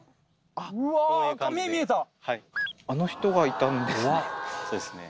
あの人がいたんですね。